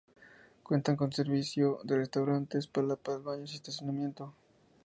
Cuentan con servicio de restaurantes, palapas, baños, y estacionamiento.